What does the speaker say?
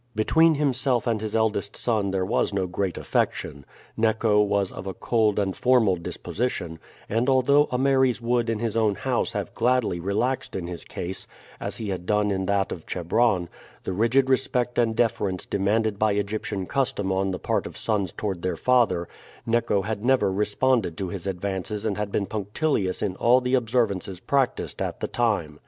Between himself and his eldest son there was no great affection. Neco was of a cold and formal disposition, and although Ameres would in his own house have gladly relaxed in his case, as he had done in that of Chebron, the rigid respect and deference demanded by Egyptian custom on the part of sons toward their father, Neco had never responded to his advances and had been punctilious in all the observances practiced at the time.